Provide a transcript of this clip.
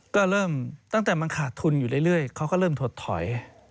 ก็เริ่มตั้งแต่มันขาดทุนอยู่เรื่อยเขาก็เริ่มถดถอย